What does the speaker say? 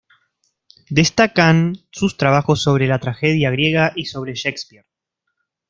Destacan sus trabajos sobre la tragedia griega y sobre Shakespeare.